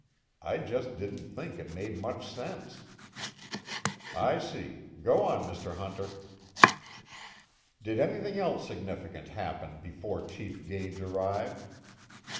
I just didn't think it made much sense." "I see. Go on, Mr. Hunter." "Did anything else significant happen before Chief Gage arrived?"